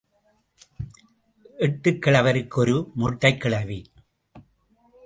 எட்டுக் கிழவருக்கு ஒரு மொட்டைக் கிழவி.